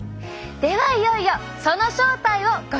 ではいよいよその正体をご紹介しましょう！